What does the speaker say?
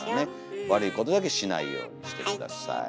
悪いことだけしないようにして下さい。